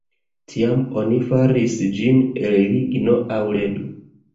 Tiam oni faris ĝin el ligno aŭ ledo.